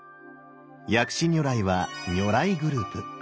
薬師如来は如来グループ。